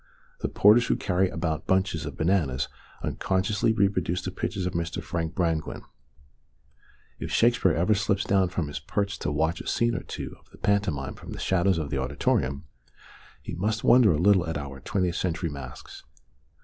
The porters who carry about bunches of bananas unconsciously reproduce the pictures of Mr. Frank Brangwyn. If Shakespeare ever slips down from his perch to watch a scene or two of the pantomime from the shadows of the auditorium, he must wonder a little at our twentieth century masques.